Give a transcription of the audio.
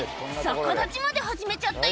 逆立ちまで始めちゃったよ